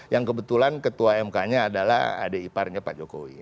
yang kebetulan ketua mk nya adalah adik iparnya pak jokowi